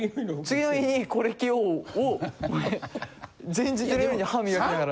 次の日にこれ着ようを前日の夜に歯磨きながら。